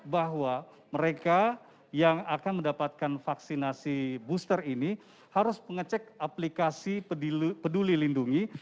bahwa mereka yang akan mendapatkan vaksinasi booster ini harus mengecek aplikasi peduli lindungi